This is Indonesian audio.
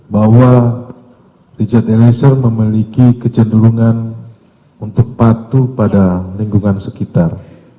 bahwa richard eliezer memiliki kecenderungan untuk patuh pada lingkungan sekitar